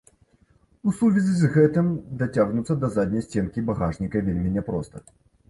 У сувязі з гэтым дацягнуцца да задняй сценкі багажніка вельмі няпроста.